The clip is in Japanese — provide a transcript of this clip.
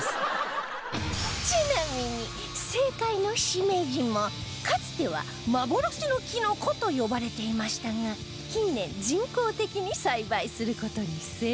ちなみに正解のシメジもかつては幻のきのこと呼ばれていましたが近年人工的に栽培する事に成功